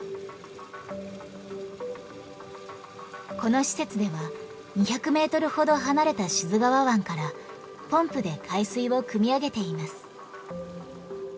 この施設では２００メートルほど離れた志津川湾からポンプで海水をくみ上げています。